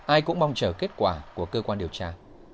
ai cũng mong chờ kết quả của cơ quan điều tra